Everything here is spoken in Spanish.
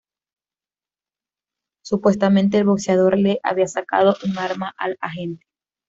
Supuestamente el boxeador le había sacado un arma al agente.